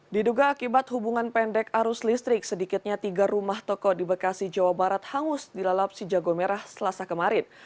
diduga akibat hubungan pendek arus listrik sedikitnya tiga rumah toko di bekasi jawa barat hangus dilalap si jago merah selasa kemarin